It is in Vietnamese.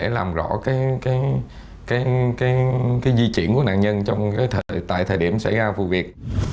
làm rõ di chuyển của nạn nhân tại thời điểm xảy ra vụ việc